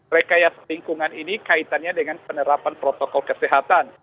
rekayasa lingkungan ini kaitannya dengan penerapan protokol kesehatan